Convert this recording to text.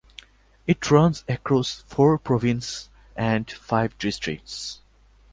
It runs across four provinces and five districts.